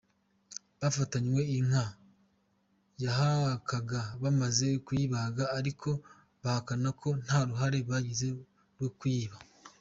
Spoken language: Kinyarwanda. Bafatanywe inka yahakaga bamaze kuyibaga ariko bahakana ko nta ruhare bagize rwo kuyiba.